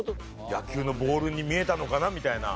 野球のボールに見えたのかなみたいな。